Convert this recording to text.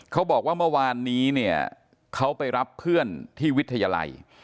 เขาบอกว่าเมื่อวานนี้เนี่ยเขาไปรับเพื่อนที่วิทยาลัย